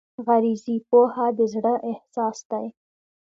غریزي پوهه د زړه احساس دی.